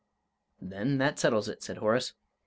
"Then that settles it," said Horace.